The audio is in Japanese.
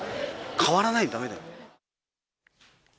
変わらないとだめだよ。